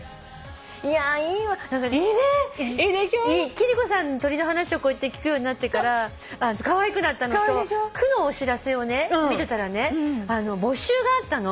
貴理子さんの鳥の話を聞くようになってからかわいくなったのと区のお知らせを見てたらね募集があったの。